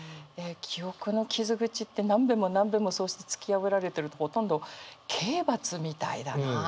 「記憶の傷口」って何べんも何べんもそうして突き破られてるとほとんど刑罰みたいだなあと思って。